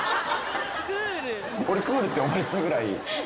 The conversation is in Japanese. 俺クールって思われてたぐらい。